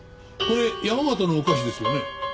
これ山形のお菓子ですよね。